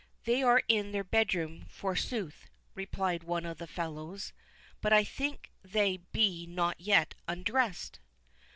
"They are in their bedroom, forsooth," replied one of the fellows; "but I think they be not yet undressed."